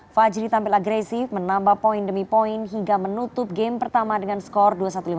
fajri tampil agresif menambah poin demi poin hingga menutup game pertama dengan skor dua satu lima belas